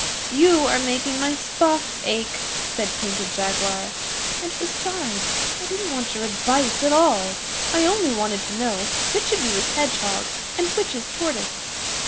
'You are making my spots ache,' said Painted Jaguar; 'and besides, I didn't want your advice at all. I only wanted to know which of you is Hedgehog and which is Tortoise.